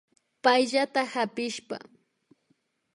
Paytalla kapishpa